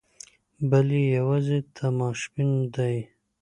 بل یې یوازې تماشبین دی.